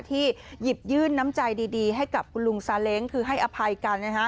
ที่หยิบยื่นน้ำใจดีให้กับคุณลุงซาเล้งคือให้อภัยกันนะฮะ